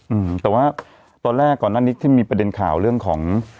อืมแต่ว่าตอนแรกก่อนหน้านี้ที่มีประเด็นข่าวเรื่องของ